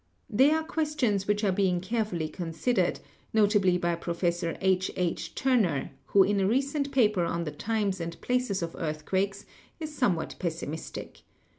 They are questions which are being carefully considered, notably by Professor H. H. Turner, who in a recent paper on the times and places of earthquakes is somewhat pessimistic.